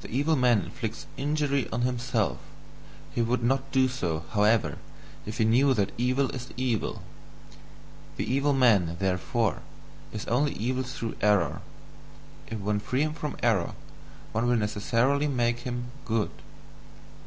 The evil man inflicts injury on himself; he would not do so, however, if he knew that evil is evil. The evil man, therefore, is only evil through error; if one free him from error one will necessarily make him good."